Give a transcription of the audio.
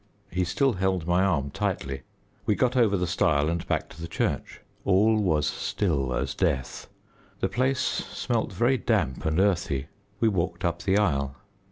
He still held my arm tightly. We got over the stile and back to the church. All was still as death. The place smelt very damp and earthy. We walked up the aisle.